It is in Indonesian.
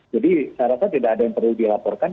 jadi saya rasa tidak ada yang perlu dilaporkan